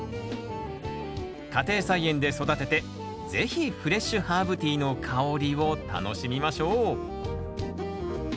家庭菜園で育てて是非フレッシュハーブティーの香りを楽しみましょう。